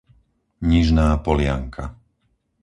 Nižná Polianka